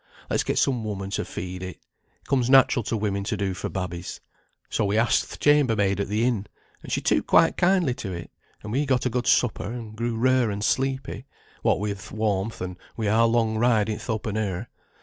Let's get some woman to feed it; it comes natural to women to do for babbies.' So we asked th' chamber maid at the inn, and she took quite kindly to it; and we got a good supper, and grew rare and sleepy, what wi' th' warmth, and wi' our long ride i' th' open air.